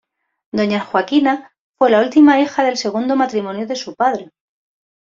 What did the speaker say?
Doña Joaquina fue la última hija del segundo matrimonio de su padre.